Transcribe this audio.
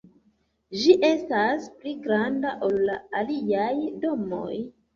Ĝi estas pli granda ol la aliaj domoj.